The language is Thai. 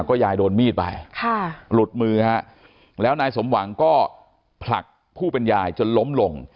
ก็ยายโดนมีดไปหลุดมือฮะแล้วนายสมหวังก็ผลักผู้เป็นยายจนล้มลง